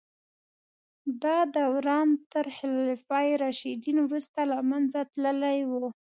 دا دوران تر خلفای راشدین وروسته له منځه تللی و.